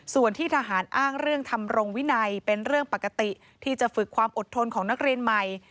ส่วนที่ทหารอ้างเรื่องทำรงวินัยเป็นเรื่องปกติที่จะฝึกความอดทนของนักเรียนใหม่